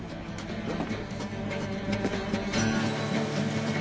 うん？